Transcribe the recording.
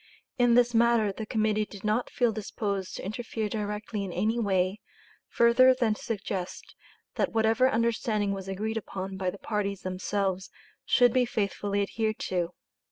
In this matter the Committee did not feel disposed to interfere directly in any way, further than to suggest that whatever understanding was agreed upon by the parties themselves should be faithfully adhered to.